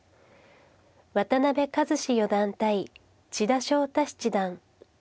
渡辺和史四段対千田翔太七段。